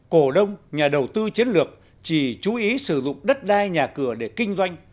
cổ đông nhà đầu tư chiến lược chỉ chú ý sử dụng đất đai nhà cửa để kinh doanh